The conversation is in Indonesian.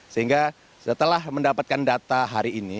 sehingga setelah mendapatkan data hari ini